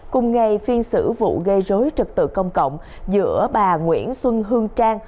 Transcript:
cùng ngày phiên xử vụ gây rối trực tự công cộng giữa bà nguyễn xuân hương trang